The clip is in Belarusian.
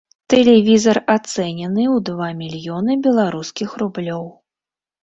Тэлевізар ацэнены ў два мільёны беларускіх рублёў.